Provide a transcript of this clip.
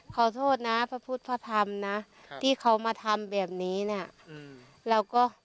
ขอโทษนะพระพุทธพระธรรมนะที่เขามาทำแบบนี้นะ